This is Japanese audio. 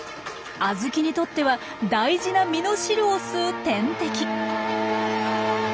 アズキにとっては大事な実の汁を吸う天敵。